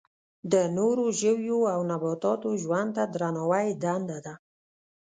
د نورو ژویو او نباتاتو ژوند ته درناوی دنده ده.